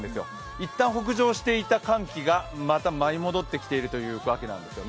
いったん北上していた寒気がまた舞い戻ってきているというわけなんですよね。